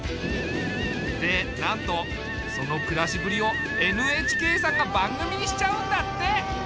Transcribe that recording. でなんとその暮らしぶりをＮＨＫさんが番組にしちゃうんだって。